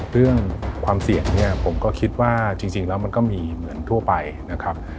เรื่องความเสี่ยงเนี่ยผมก็คิดว่าจริงแล้วมันก็มีเหมือนทั่วไปนะครับ